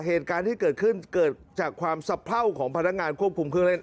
เหตุการณ์ที่เกิดขึ้นเกิดจากความสะเพราของพนักงานควบคุมเครื่องเล่น